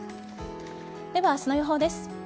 では明日の予報です。